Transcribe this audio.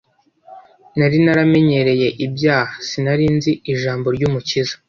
nari naramenyereye ibyaha sinarinzi ijambo ryumukiza